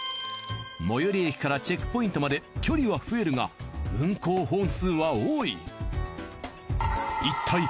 最寄り駅からチェックポイントまで距離は増えるが運行本数は多い。